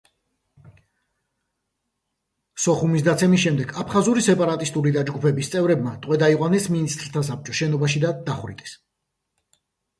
სოხუმის დაცემის შემდეგ აფხაზური სეპარატისტული დაჯგუფების წევრებმა ტყვედ აიყვანეს მინისტრთა საბჭოს შენობიდან და დახვრიტეს.